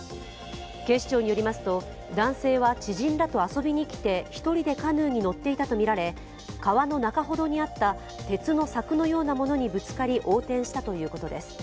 警視庁によりますと、男性は知人らと遊びに来て１人でカヌーに乗っていたとみられ、川の中ほどにあった鉄の柵のようなものにぶつかり、横転したということです。